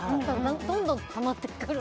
どんどんたまっていくから。